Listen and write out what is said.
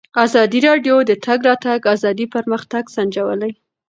ازادي راډیو د د تګ راتګ ازادي پرمختګ سنجولی.